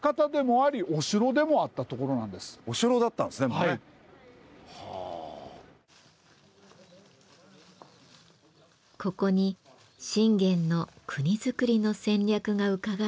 ここに信玄の国づくりの戦略がうかがえる場所があるといいます。